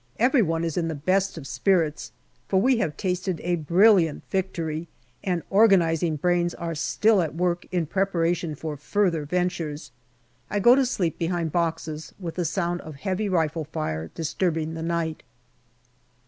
Every one is in the best of spirits, for we have tasted a brilliant victory, and organizing brains are still at work in preparation for further ventures. I go to sleep behind boxes with the sound of a heavy rifle fire disturbing the night.